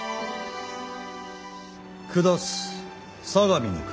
「下相模国」。